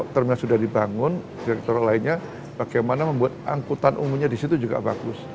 terminal sudah dibangun direktur lainnya bagaimana membuat angkutan umumnya di situ juga bagus